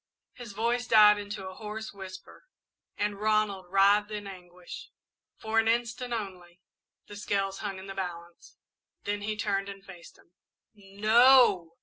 His voice died into a hoarse whisper and Ronald writhed in anguish. For an instant, only, the scales hung in the balance, then he turned and faced him. "No!"